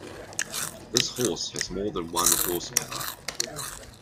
This horse has more than one horse power.